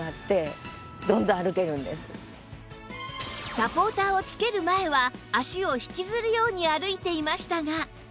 サポーターを着ける前は脚を引きずるように歩いていましたが